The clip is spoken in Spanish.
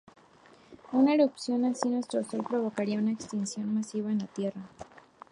Una erupción así en nuestro Sol provocaría una extinción masiva en la Tierra.